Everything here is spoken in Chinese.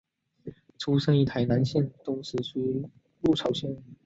出生于台南县东石区鹿草乡。